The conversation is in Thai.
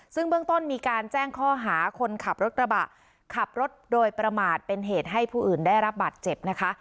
ซึ่งเบื้องต้นมีการแจ้งข้อหาคนขับรถกระบะขับรถโดยประมาทเป็นเหตุให้ผู้อื่นได้รับบาดเจ็บนะคะ